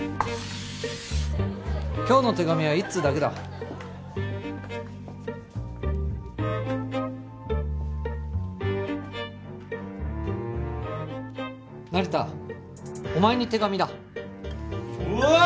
今日の手紙は１通だけだ成田お前に手紙だおい